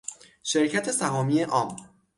شرکت سهامی عام